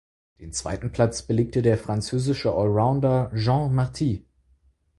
Den zweiten Platz belegte der französische Allrounder Jean Marty.